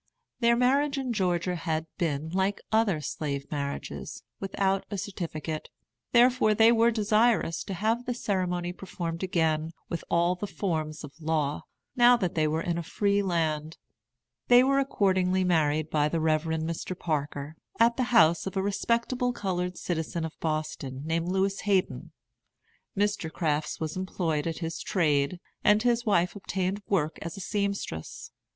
Their marriage in Georgia had been, like other slave marriages, without a certificate; therefore they were desirous to have the ceremony performed again, with all the forms of law, now that they were in a free land. They were accordingly married by the Rev. Mr. Parker, at the house of a respectable colored citizen of Boston, named Lewis Hayden. Mr. Crafts was employed at his trade, and his wife obtained work as a seamstress.